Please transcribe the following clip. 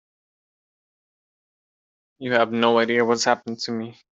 You have no idea what's happened to me.